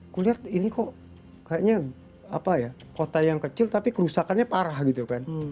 kulihat ini kok kayaknya apa ya kota yang kecil tapi kerusakannya parah gitu kan